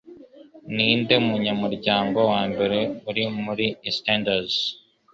Ninde munyamuryango wa mbere muri Eastenders?